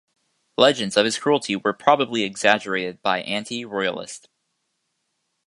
Legends of his cruelty were probably exaggerated by anti-Royalists.